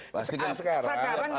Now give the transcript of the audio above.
pasti kan sekarang